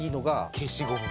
消しゴム？